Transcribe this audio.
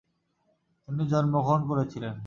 তিনি জন্মগ্রহণ করেছিলেন।